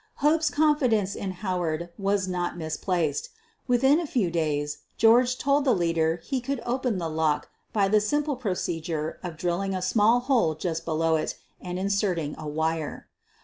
Hope's confidence in Howard was not misplaced. Within a few days George told the leader he could open the lock by the simple pro cedure of drilling a small hole just below it and inserting a wire.